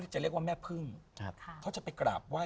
ใช่อืมมาก